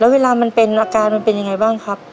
เวลามันเป็นอาการมันเป็นยังไงบ้างครับ